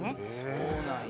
そうなんや。